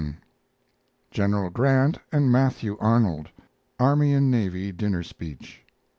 GENERAL GRANT AND MATTHEW ARNOLD Army and Navy dinner speech.